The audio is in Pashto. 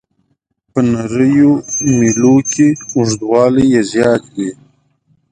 په نریو میلو کې اوږدوالی یې زیات وي.